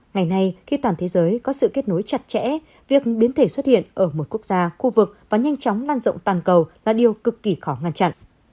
ngày nay khi toàn thế giới có sự kết nối chặt chẽ việc biến thể xuất hiện ở một quốc gia khu vực và nhanh chóng lan rộng toàn cầu là điều cực kỳ khó ngăn chặn